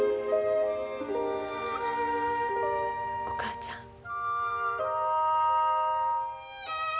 お母ちゃん。